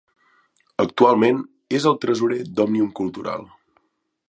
Actualment és tresorer d'Òmnium Cultural.